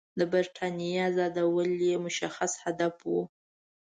د برټانیې آزادول یې مشخص هدف وو.